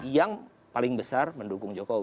yang paling besar mendukung jokowi